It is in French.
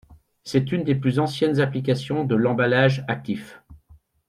C'est une des plus anciennes applications de l'emballage actif.